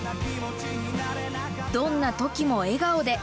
どんなときも笑顔で。